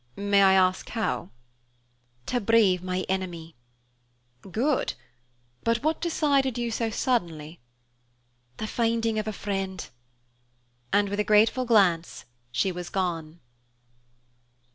"May I ask how?" "To brave my enemy." "Good! But what decided you so suddenly?" "The finding of a friend." And with a grateful glance she was gone.